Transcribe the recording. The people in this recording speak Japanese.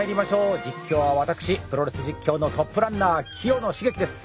実況は私プロレス実況のトップランナー清野茂樹です。